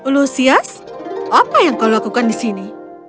lusias apa yang kau lakukan di sini